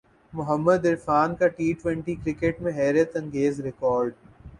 محمد عرفان کا T twenty cricket میں حیرت انگیز ریکارڈ